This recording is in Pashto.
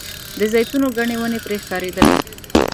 د زیتونو ګڼې ونې پرې ښکارېدلې.